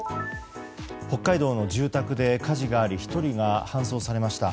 北海道の住宅で火事があり１人が搬送されました。